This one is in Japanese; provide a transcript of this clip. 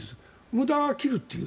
無駄は切るという。